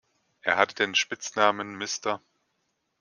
Er hatte den Spitznamen „Mr.